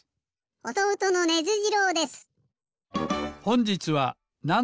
おとうとのネズ次郎です。